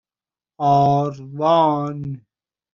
آروان